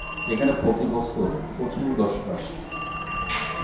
এখানে প্রতি বছর প্রচুর দর্শক আসে।